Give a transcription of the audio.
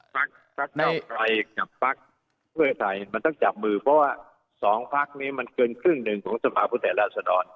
ภักร์กำไพกับภักร์ไทยมันต้องจับมือเพราะว่า๒ภักร์นี้มันเกินคืนหนึ่งของสภาพุทธแรกราชดร